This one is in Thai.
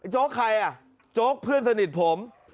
โจ๊กใครอ่ะโจ๊กเพื่อนสนิทผม